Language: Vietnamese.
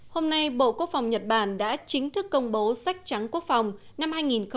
hôm nay bộ quốc phòng nhật bản đã chính thức công bố sách trắng quốc phòng năm hai nghìn một mươi chín